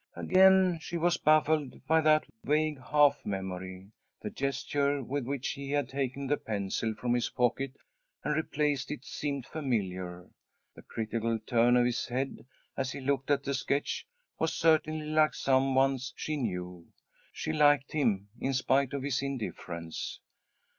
Again she was baffled by that vague half memory. The gesture with which he had taken the pencil from his pocket and replaced it seemed familiar. The critical turn of his head, as he looked at the sketch, was certainly like some one's she knew. She liked him in spite of his indifference.